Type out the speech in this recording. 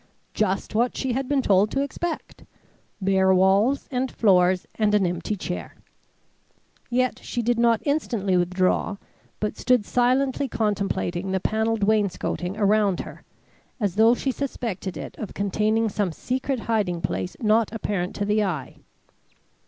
Just what she had been told to expect! Bare walls and floors and an empty chair! Yet she did not instantly withdraw, but stood silently contemplating the panelled wainscoting surrounding her, as though she suspected it of containing some secret hiding place not apparent to the eye.